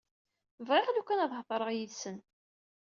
Bɣiɣ lukan ad thedreḍ yid-sen.